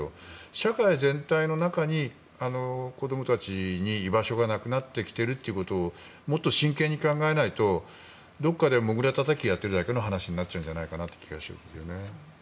社会全体の中に、子どもたちに居場所がなくなってきているということをもっと真剣に考えないとどこかでもぐらたたきをやっているだけの話になるのではと思うんですよね。